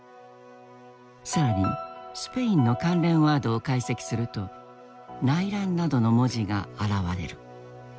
更にスペインの関連ワードを解析すると内乱などの文字が現れる。